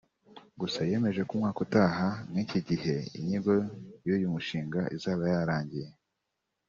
Gusa yemeje ko umwaka utaha nk’iki gihe inyigo y’uyu mushinga izaba yarangiye